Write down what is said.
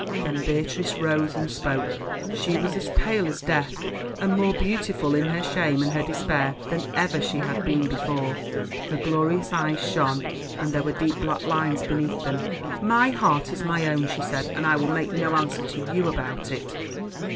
Then Beatrice rose and spoke. She was pale as death and more beautiful in her shame and her despair than ever she had been before; her glorious eyes shone, and there were deep black lines beneath them. "My heart is my own," she said, "and I will make no answer to you about it.